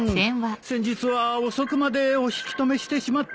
先日は遅くまでお引き留めしてしまって。